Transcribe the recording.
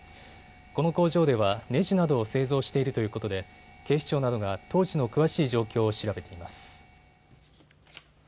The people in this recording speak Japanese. この工場では、ねじなどを製造しているということで警視庁などが当時の詳しい状況を調べています。